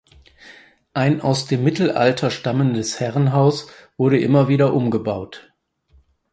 Ein aus dem Mittelalter stammendes Herrenhaus wurde immer wieder umgebaut.